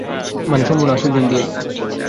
মানে সম্পূর্ণ আসল জিন দিয়ে।